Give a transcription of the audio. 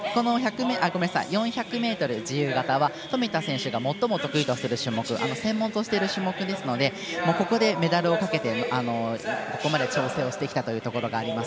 ４００ｍ自由形は富田選手が最も得意とする種目専門としている種目ですのでメダルをかけてここまで調整してきたというところがあります。